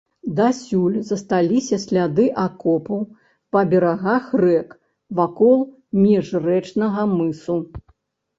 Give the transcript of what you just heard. Дасюль засталіся сляды акопаў па берагах рэк вакол міжрэчнага мысу.